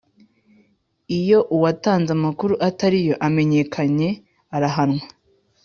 Iyo uwatanze amakuru atariyo amenyekanye arahanwa